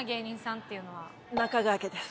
中川家です。